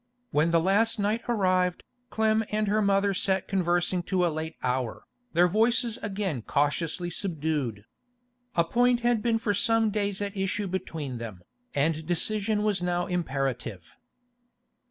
When the last night arrived, Clem and her mother sat conversing to a late hour, their voices again cautiously subdued. A point had been for some days at issue between them, and decision was now imperative.